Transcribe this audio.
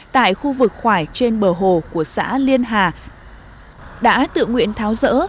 tại khu vực khoải trên bờ hồ của xã liên hà đã tự nguyện tháo rỡ